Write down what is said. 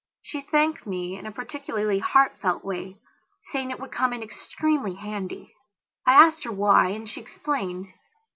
She thanked me in a peculiarly heartfelt way, saying that it would come in extremely handy. I asked her why and she explained.